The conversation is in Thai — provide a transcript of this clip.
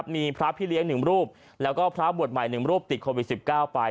มีพระพี่เลี้ยง๑รูปแล้วก็พระบวชใหม่๑รูปติดโควิด๑๙ไป